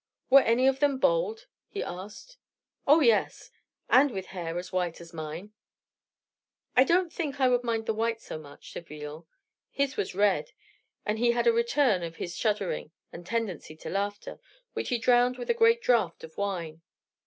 "Were any of them bald?" he asked. "Oh, yes, and with hair as white as mine." "I don't think I would mind the white so much," said Villon. "His was red." And he had a return of his shuddering and tendency to laughter, which he drowned with a great draught of wine.